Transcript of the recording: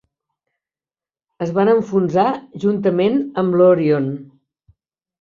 Es van enfonsar juntament amb l'"Orion".